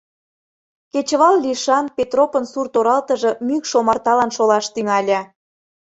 Кечывал лишан Петропын сурт-оралтыже мӱкш омарталан шолаш тӱҥале.